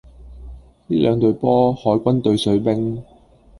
呢兩隊波海軍對水兵